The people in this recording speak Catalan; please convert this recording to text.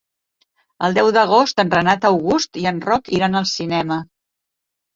El deu d'agost en Renat August i en Roc iran al cinema.